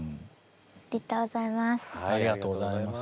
ありがとうございます。